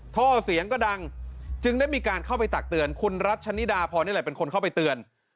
ท่อเสียงก็ดังจึงได้มีการเข้าไปตักเตือนคุณรัชนิดาพรนี่แหละเป็นคนเข้าไปเตือน